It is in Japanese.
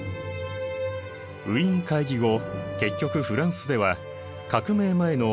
ウィーン会議後結局フランスでは革命前のブルボン王家が復活。